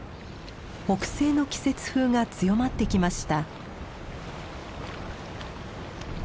北西の季節風が強まってきました。